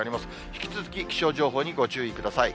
引き続き気象情報にご注意ください。